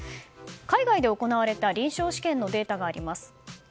海外で行われた臨床試験のデータがあります。